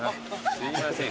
すいません